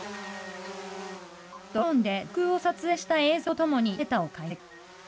ドローンで上空を撮影した映像とともに、データを解析。